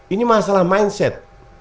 ini masalah mindset